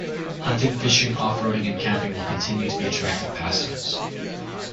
Hunting, fishing, off-roading, and camping will continue to be attractive pastimes.